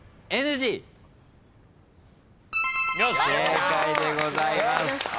正解でございます。